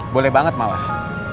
boleh banget malah